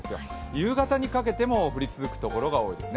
夕方にかけても降り続くところが多いですね。